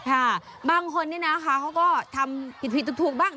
ค่ะบางคนเขาก็ทำผิดถูกบ้าง